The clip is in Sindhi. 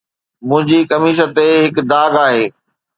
منهنجي قميص تي هڪ داغ آهي